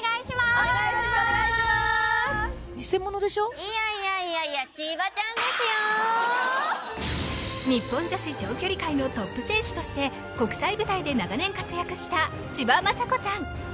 すいやいやいやいや日本女子長距離界のトップ選手として国際舞台で長年活躍した千葉真子さん